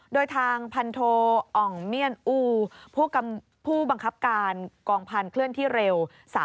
โดยทางพันโทอ่องเมียนอูผู้บังคับการกองพันธุ์เคลื่อนที่เร็ว